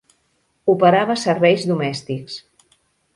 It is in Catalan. Operava serveis domèstics.